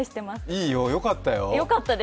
いいよ、よかったよ。